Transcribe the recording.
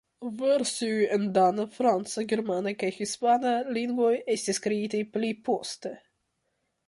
Versioj en dana, franca, germana kaj hispana lingvoj estis kreitaj pli poste.